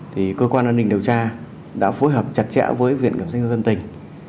thì cơ quan an ninh điều tra đã phối hợp chặt chẽ với viện kiểm soát nhân dân tỉnh